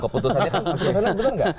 keputusan itu benar tidak